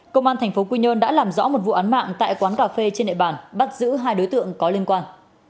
công an tp quy nhơn đã làm rõ một vụ án mạng tại quán cà phê trên địa bàn bắt giữ hai đối tượng có liên quan